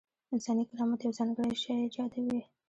انساني کرامت یو ځانګړی شی ایجابوي.